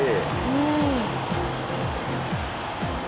うん。